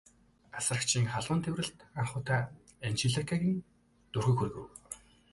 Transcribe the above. Асрагчийн халуун тэврэлт анх удаа Анжеликагийн дургүйг хүргэв.